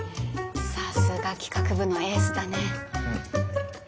さすが企画部のエースだね。